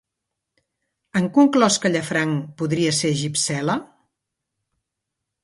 Han conclòs que Llafranc podria ser Gypsela?